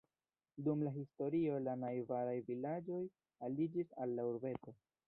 Dum la historio la najbaraj vilaĝoj aliĝis al la urbeto.